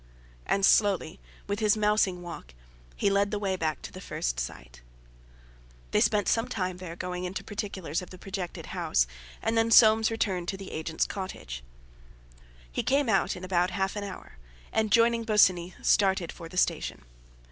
And slowly, with his mousing walk, he led the way back to the first site. They spent some time there going into particulars of the projected house, and then Soames returned to the agent's cottage. He came out in about half an hour, and, joining Bosinney, started for the station.